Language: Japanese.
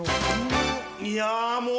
いやもう。